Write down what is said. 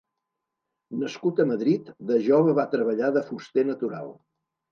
Nascut a Madrid, de jove va treballar de fuster natural.